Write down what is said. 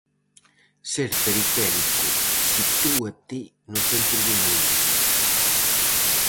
Ser periférico sitúate no centro do mundo.